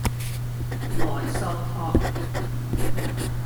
萊索托